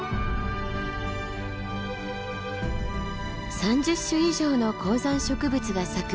３０種以上の高山植物が咲く